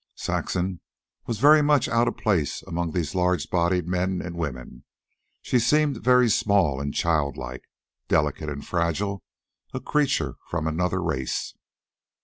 Saxon was very much out of place among these large bodied men and women. She seemed very small and childlike, delicate and fragile, a creature from another race.